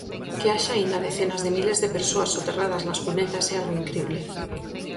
Que haxa aínda decenas de miles de persoas soterradas nas cunetas é algo incrible.